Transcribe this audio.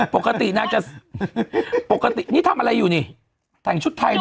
ปกตินางจะปกตินี่ทำอะไรอยู่นี่แต่งชุดไทยเหรอ